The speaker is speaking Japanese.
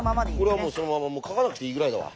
これはもうそのままもう書かなくていいぐらいだわ。